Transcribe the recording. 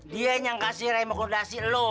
dia yang ngasih remakodasi lu